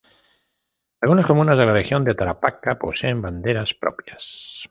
Algunas comunas de la Región de Tarapacá poseen banderas propias.